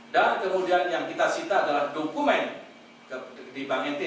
kemudian yang kita sita adalah dokumen di bank ntt